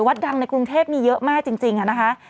วัดดังในกรุงเทพมีเยอะมากจริงนะคะ